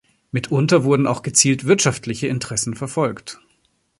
Mitunter wurden auch gezielt wirtschaftliche Interessen verfolgt.